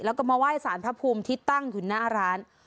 แล้วก็มาไหว้สารพระภูมิที่ตั้งอยู่หน้าร้าน